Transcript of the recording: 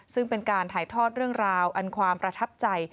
ซึ่งเป็นการถ่ายทอดเรื่องราวอันความประทับใจ